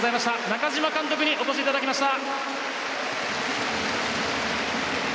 中嶋監督にお越しいただきました。